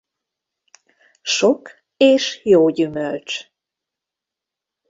Sok és jó gyümölcs.